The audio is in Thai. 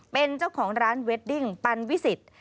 เป็นเจ้าของร้านเวดดิ้งปันวิสิทธิ์